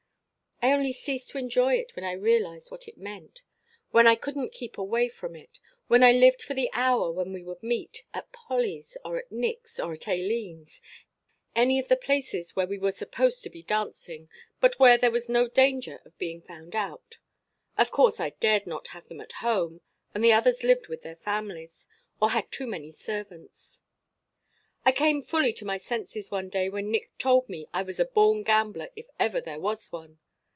"I only ceased to enjoy it when I realized what it meant. When I couldn't keep away from it. When I lived for the hour when we would meet, at Polly's, or at Nick's or at Aileen's any of the places where we were supposed to be dancing, but where there was no danger of being found out. Of course I dared not have them at home, and the others lived with their families, or had too many servants.... "I came fully to my senses one day when Nick told me I was a born gambler if ever there was one.